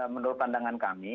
menurut pandangan kami